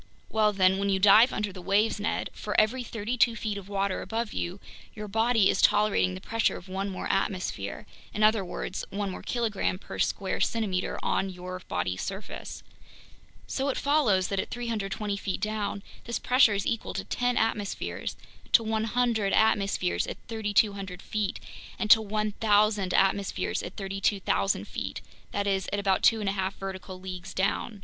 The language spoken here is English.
Well then, when you dive under the waves, Ned, for every thirty two feet of water above you, your body is tolerating the pressure of one more atmosphere, in other words, one more kilogram per each square centimeter on your body's surface. So it follows that at 320 feet down, this pressure is equal to ten atmospheres, to 100 atmospheres at 3,200 feet, and to 1,000 atmospheres at 32,000 feet, that is, at about two and a half vertical leagues down.